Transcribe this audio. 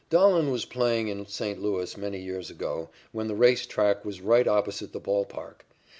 Dahlen was playing in St. Louis many years ago when the race track was right opposite the ball park.